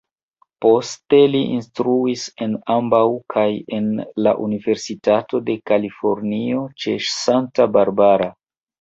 Poste li instruis en ambaŭ kaj en la Universitato de Kalifornio ĉe Santa Barbara.